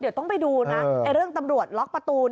เดี๋ยวต้องไปดูนะเรื่องตำรวจล็อกประตู